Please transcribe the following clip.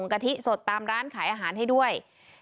กะทิสดตามร้านขายอาหารให้ด้วย